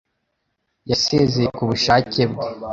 Yasezeye ku bushake bwe